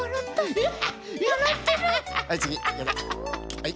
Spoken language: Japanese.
はい。